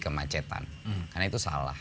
kemacetan karena itu salah